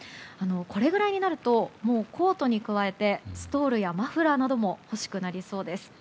これぐらいになるとコートに加えてストールやマフラーなども欲しくなりそうです。